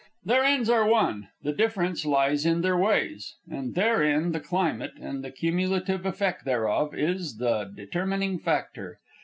Their ends are one; the difference lies in their ways, and therein the climate, and the cumulative effect thereof, is the determining factor.